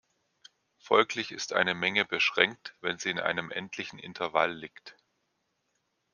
Folglich ist eine Menge beschränkt, wenn sie in einem endlichen Intervall liegt.